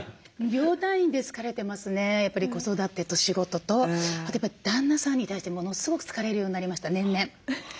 やっぱり子育てと仕事とあとやっぱり旦那さんに対してものすごく疲れるようになりました年々。